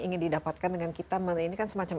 ingin didapatkan dengan kita ini kan semacam